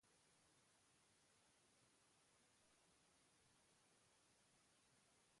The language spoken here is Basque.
Ganorabakoen etxean goizeko salda arratsean.